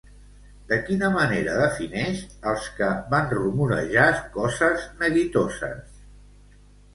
De quina manera defineix als que van rumorejar coses neguitoses?